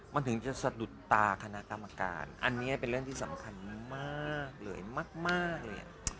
มันถึงจะสะดุดตาคณะกรรมการอันนี้เป็นเรื่องที่สำคัญมากเลยมากเลย